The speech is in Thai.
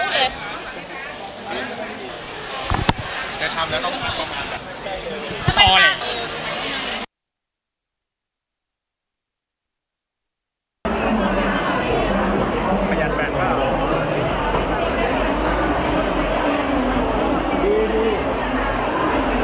เวลาซื้อก็อาจจะแบบนึกถึงเท้านิดนึงอะไรอย่างนี้ค่ะ